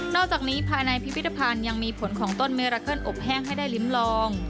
อกจากนี้ภายในพิพิธภัณฑ์ยังมีผลของต้นเมราเกิลอบแห้งให้ได้ลิ้มลอง